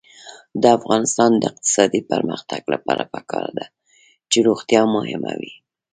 د افغانستان د اقتصادي پرمختګ لپاره پکار ده چې روغتیا مهمه وي.